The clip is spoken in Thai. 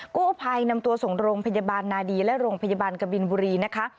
กู้ภัยนำตัวส่งโรงพยาบาลนาดีและโรงพยาบาลกบินบุรีนะคะ